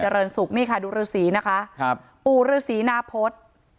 ดูฤษีนะคะปู่ฤษีนาพฤษ